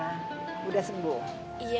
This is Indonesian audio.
ya mak alhamdulillah udah mendingan